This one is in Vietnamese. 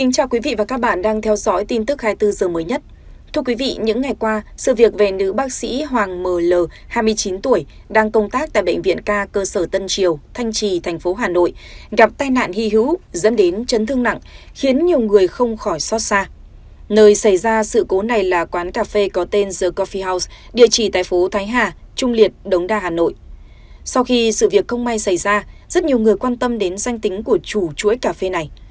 các bạn hãy đăng ký kênh để ủng hộ kênh của chúng mình nhé